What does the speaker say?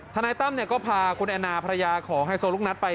นายตั้มก็พาคุณแอนนาภรรยาของไฮโซลูกนัดไป